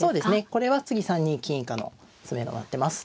これは次３二金以下の詰めろになってます。